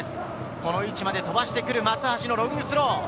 この位置まで飛ばしてくる松橋のロングスロー。